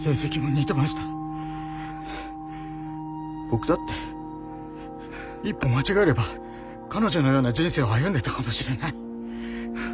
僕だって一歩間違えれば彼女のような人生を歩んでいたかもしれない。